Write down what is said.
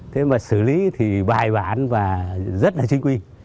thế mà xử lý thì bài bán và rất là chính quyền